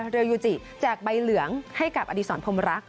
เรือยูจิแจกใบเหลืองให้กับอดีศรพรมรัก